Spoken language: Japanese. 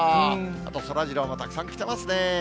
あとそらジローもたくさん来てますね。